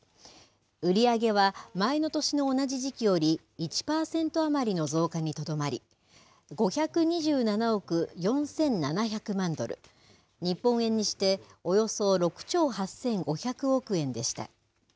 売り上げは前の年の同じ時期より１％余りの増加にとどまり、５２７億４７００万ドル、日本円にして、およそ６兆８５００億円でした。